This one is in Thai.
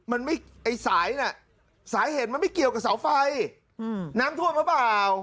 มันไม่ไอ้สายน่ะสาเหตุมันไม่เกี่ยวกับเสาไฟน้ำท่วมหรือเปล่า